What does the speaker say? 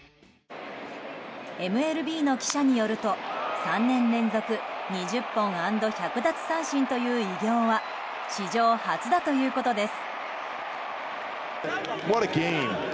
ＭＬＢの記者によると３年連続２０本アンド１００奪三振という偉業は史上初だということです。